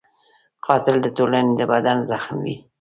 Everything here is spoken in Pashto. قاتل د ټولنې د بدن زخم وي